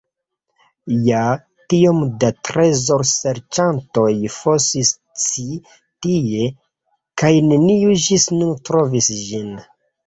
Ja, tiom da trezorserĉantoj fosis ci tie kaj neniu ĝis nun trovis ĝin.